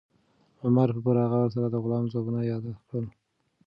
عمر په پوره غور سره د غلام ځوابونه یاداښت کړل.